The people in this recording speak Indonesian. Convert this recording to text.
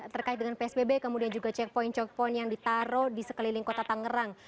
terkait dengan psbb kemudian juga checkpoint checkpoint yang ditaruh di sekeliling kota tangerang